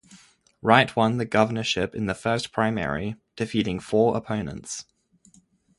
Wright won the governorship in the first primary, defeating four opponents.